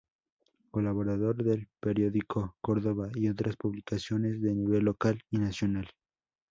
Colaborador del periódico "Córdoba" y otras publicaciones de nivel local y nacional.